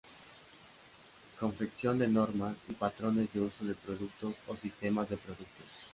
Confección de normas y patrones de uso de productos o sistemas de productos.